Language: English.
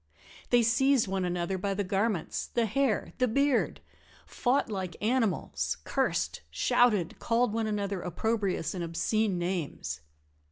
They seized one another by the garments, the hair, the beard fought like animals, cursed, shouted, called one another opprobrious and obscene names.